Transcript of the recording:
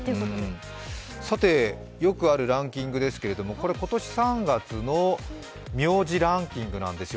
さて、よくあるランキングですけれども、これは今年３月の名字ランキングです。